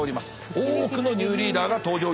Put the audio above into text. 多くのニューリーダーが登場いたしました。